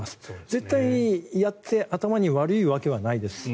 絶対やって頭に悪いわけではないです。